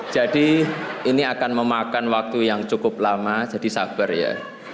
jadi ini akan memakan waktu yang cukup lama jadi sabar ya